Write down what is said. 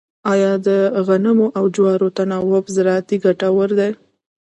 آیا د غنمو او جوارو تناوب زراعتي ګټور دی؟